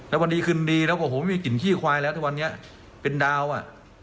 แล้ววันดีขึ้นดีแล้วก็ผมไม่มีกลิ่นขี้ควายแล้วทุกวันเนี้ยเป็นดาวอะ